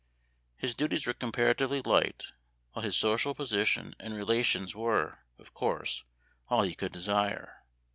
His duties were comparatively light, while his social posi tion and relations were, of course, all he could desire.